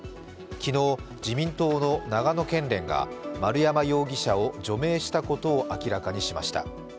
昨日、自民党の長野県連が丸山容疑者を除名したことを明らかにしました。